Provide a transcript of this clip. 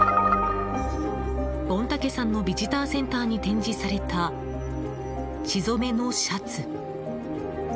御嶽山のビジターセンターに展示された血染めのシャツ。